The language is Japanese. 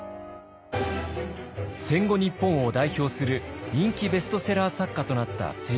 戦後日本を代表する人気ベストセラー作家となった清張。